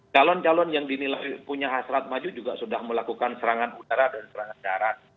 calon calon yang dinilai punya hasrat maju juga sudah melakukan serangan udara dan serangan darat